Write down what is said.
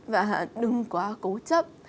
và đừng quá cố chấp